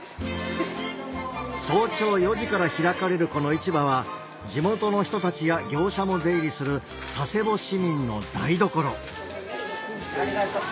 早朝４時から開かれるこの市場は地元の人たちや業者も出入りする佐世保市民の台所ありがとう。